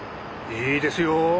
いいですよ。